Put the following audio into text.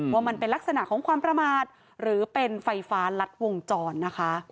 ว่ามันเป็นลักษณะของความประมาทหรือเป็นไฟฟ้ารัดวงจรนะคะ